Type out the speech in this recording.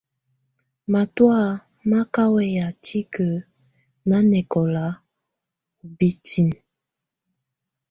Matɔ̀á mà kà wɛya tikǝ́ nanɛkɔla ù bǝtinǝ́.